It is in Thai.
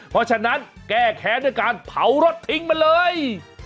เพราะฉะนั้นแก้แค้นด้วยการเผารถทิ้งมาเลย